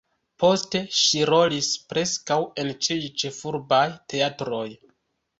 Poste ŝi rolis preskaŭ en ĉiuj ĉefurbaj teatroj.